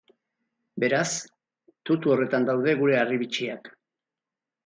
Beraz, tutu horretan daude gure harribitxiak.